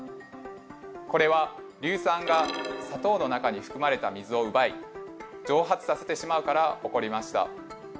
これは硫酸が砂糖の中に含まれた水をうばい蒸発させてしまうから起こりました。